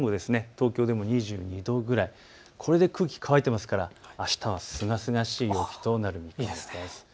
東京でも２２度くらい、これで空気が乾いてますからあしたはすがすがしくなるということです。